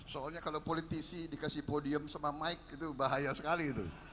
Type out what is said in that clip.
soalnya kalau politisi dikasih podium sama mike itu bahaya sekali itu